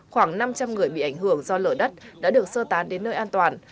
khoảng năm trăm linh người bị ảnh hưởng do lở đất đã được sơ tán đến nơi an toàn